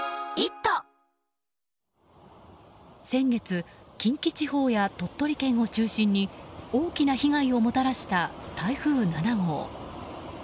先月近畿地方や鳥取県を中心に大きな被害をもたらした台風７号。